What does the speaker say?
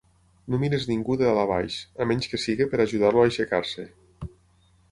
No miris ningú de dalt a baix, a menys que sigui per ajudar-lo a aixecar-se.